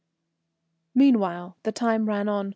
Meanwhile the time ran on.